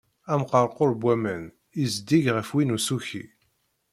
Amqerqur n waman i zeddig ɣef win usuki.